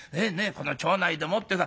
この町内でもってさ。